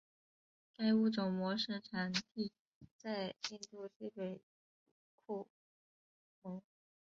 该物种的模式产地在印度西北部库蒙。